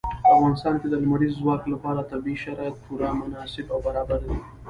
په افغانستان کې د لمریز ځواک لپاره طبیعي شرایط پوره مناسب او برابر دي.